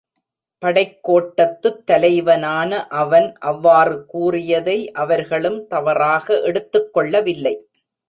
படைக்கோட்டத்துத் தலைவனான அவன் அவ்வாறு கூறியதை அவர்களும் தவறாக எடுத்துக் கொள்ளவில்லை.